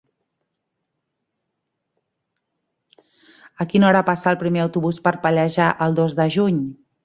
A quina hora passa el primer autobús per Pallejà el dos de juny?